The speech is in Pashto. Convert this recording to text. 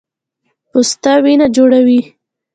پسته وینه جوړوي